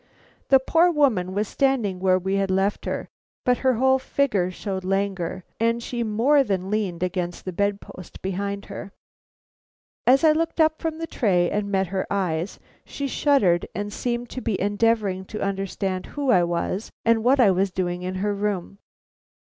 The poor woman was standing where we had left her; but her whole figure showed languor, and she more than leaned against the bedpost behind her. As I looked up from the tray and met her eyes, she shuddered and seemed to be endeavoring to understand who I was and what I was doing in her room.